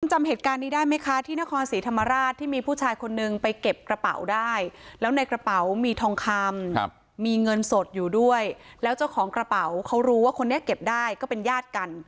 จำเหตุการณ์นี้ได้ไหมคะที่นครศรีธรรมราชที่มีผู้ชายคนนึงไปเก็บกระเป๋าได้แล้วในกระเป๋ามีทองคำมีเงินสดอยู่ด้วยแล้วเจ้าของกระเป๋าเขารู้ว่าคนนี้เก็บได้ก็เป็นญาติกัน